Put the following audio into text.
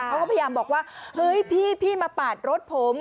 เขาก็พยายามบอกว่าเฮ้ยพี่มาปาดรถผม